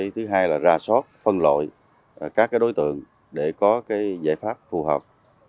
thứ hai là ra sót phân lội các đối tượng để có giải pháp phù hợp